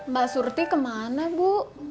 mbak surti kemana bu